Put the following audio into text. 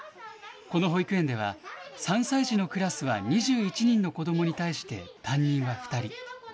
この保育園では、３歳児のクラスは２１人の子どもに対して担任は２人。